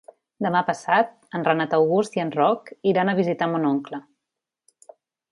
Demà passat en Renat August i en Roc iran a visitar mon oncle.